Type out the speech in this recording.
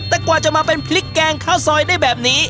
แต่กว่าจะมาเป็นพริกแกงข้าวซอยได้แบบนี้